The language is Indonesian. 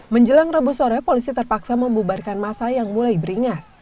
menjelang rabu sore polisi terpaksa membubarkan masa yang mulai beringas